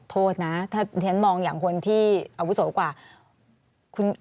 โทษนะถ้าฉันมองอย่างคนที่อาวุโสกว่า